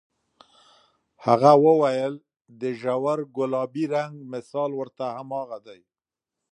هغه وویل، د ژور ګلابي رنګ مثال ورته هماغه دی.